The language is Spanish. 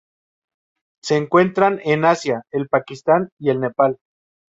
Se encuentran en Asia: el Pakistán, y el Nepal.